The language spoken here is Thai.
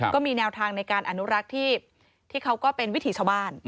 ก็มีแนวทางในการอนุรักษ์ที่เขาก็เป็นวิถีชาวบ้าน